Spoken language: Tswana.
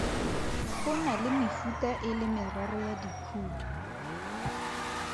Go na le mefuta e le meraro ya dikhudu.